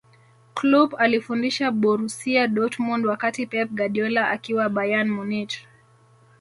Kloop alifundisha borusia dortmund wakati pep guardiola akiwa bayern munich